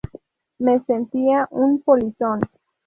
Me sentía un polizón.